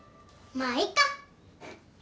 まあいっか。